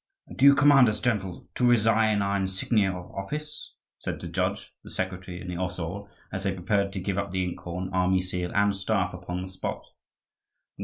"Do you command us, gentles, to resign our insignia of office?" said the judge, the secretary, and the osaul, as they prepared to give up the ink horn, army seal, and staff, upon the spot.